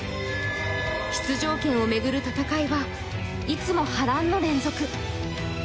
出場権を巡る戦いはいつも波乱の連続。